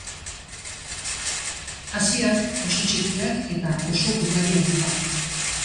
Haziak oso txikiak eta oso ugariak dira.